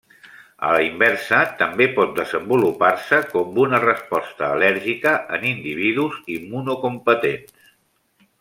A la inversa, també pot desenvolupar-se com una resposta al·lèrgica en individus immunocompetents.